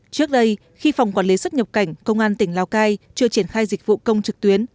trước đây khi phòng quản lý xuất nhập cảnh công an tỉnh lào cai chưa triển khai dịch vụ công trực tuyến